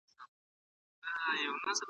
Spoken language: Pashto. تاسي په اخیرت کي د جنت د مېوو شکر ادا کوئ.